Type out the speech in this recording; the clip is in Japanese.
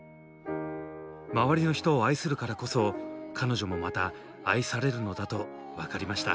周りの人を愛するからこそ彼女もまた愛されるのだと分かりました。